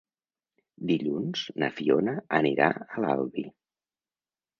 Dilluns na Fiona anirà a l'Albi.